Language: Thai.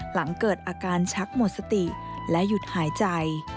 หลังเกิดอาการชักหมดสติและหยุดหายใจ